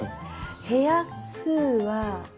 部屋数は。